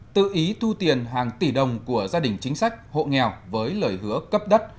tự ý thu tiền hàng tỷ đồng của gia đình chính sách hộ nghèo với lời hứa cấp đất